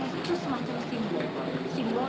itu semacam simbol